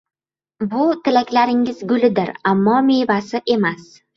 Bu — tilaklaringiz gulidir. Ammo mevasi emas.